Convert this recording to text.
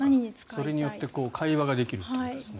それによって会話ができるということですね。